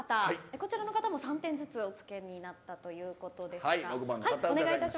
こちらの方も３点ずつおつけになったということです。